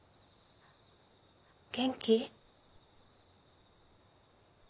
元気？